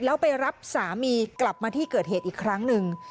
แล้วไปรับสามีกลับมาที่เกิดเหตุอีกครั้งหนึ่ง